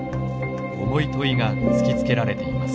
重い問いが突きつけられています。